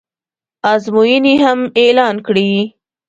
ازموینې هم اعلان کړې